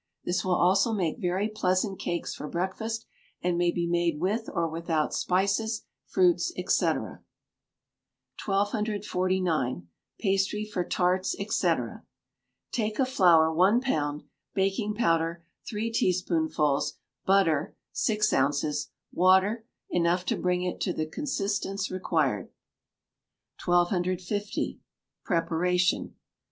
This will also make very pleasant cakes for breakfast, and may be made with or without spices, fruits, &c. 1249. Pastry for Tarts, &c. Take of flour one pound; baking powder, three teaspoonfuls; butter, six ounces; water, enough to bring it to the consistence required. 1250. Preparation.